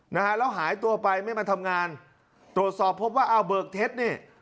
นะฮะแล้วหายตัวไปไม่มาทำงานตรวจสอบพบว่าอ้าวเบิกเท็จนี่